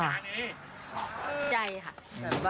ดีใจค่ะ